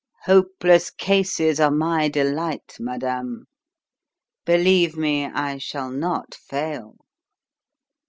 "Hopeless cases are my delight, madame. Believe me, I shall not fail."